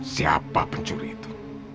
siapa pencuri itu